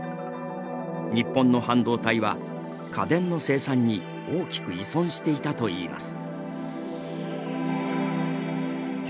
日本の半導体は、家電の生産に大きく依存していたといいます。